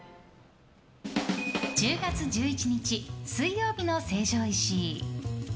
１０月１１日、水曜日の成城石井。